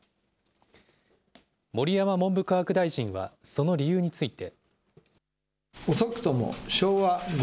盛山文部科学大臣はその理由について。